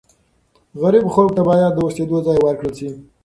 غریبو خلکو ته باید د اوسېدو ځای ورکړل سي.